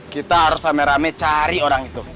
kita samai rame cari orang itu